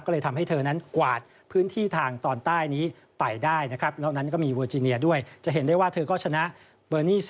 ก็เลยทำให้เธอนั้นกวาดพื้นที่ทางตอนใต้นี้ไปได้นะครับ